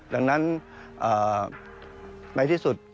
ดังนั้นในที่สุด